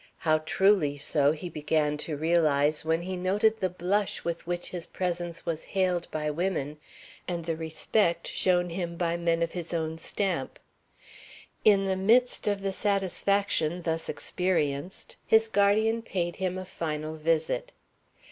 How truly so, he began to realize when he noted the blush with which his presence was hailed by women and the respect shown him by men of his own stamp. In the midst of the satisfaction thus experienced his guardian paid him a final visit.